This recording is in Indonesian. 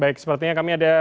baik sepertinya kami ada